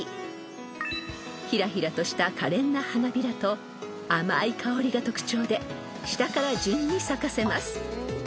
［ひらひらとした可憐な花びらと甘い香りが特徴で下から順に咲かせます］